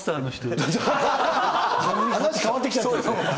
話変わってきちゃうね。